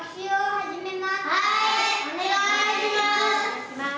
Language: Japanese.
はいお願いします。